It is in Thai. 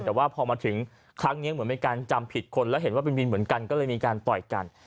แต่ว่าพอมาถึงครั้งนี้เหมือนเป็นการจำผิดคนแล้วเห็นว่าเป็นวินเหมือนกันก็เลยมีการต่อยกัน